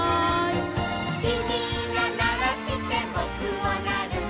「きみがならしてぼくもなる」